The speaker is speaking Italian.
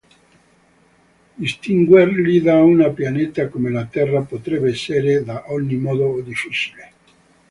Distinguerli da un pianeta come la Terra potrebbe essere ad ogni modo difficile.